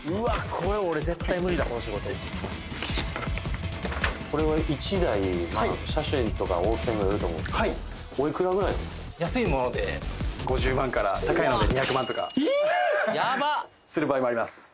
これ俺絶対無理だこの仕事これは１台車種とか大きさにもよると思うんですけど安いもので５０万から高いので２００万とかする場合もあります